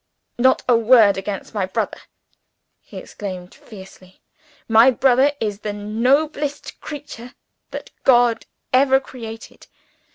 "Not a word against my brother!" he exclaimed fiercely. "My brother is the noblest creature that God ever created!